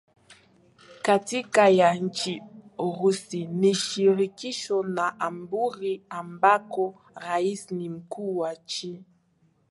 katiba ya nchi Urusi ni shirikisho na jamhuri ambako rais ni mkuu wa nchi